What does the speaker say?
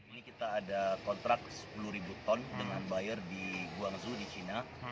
ini kita ada kontrak sepuluh ribu ton dengan buyer di guangzhou di china